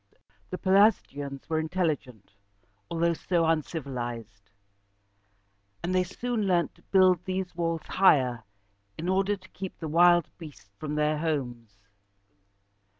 The Pelasgians were intelligent, although so uncivilized; and they soon learned to build these walls higher, in order to keep the wild beasts away from their homes.